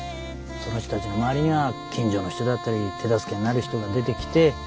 その人たちの周りには近所の人だったり手助けになる人も出てきて。